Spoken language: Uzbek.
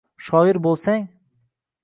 Shoir bo’lsang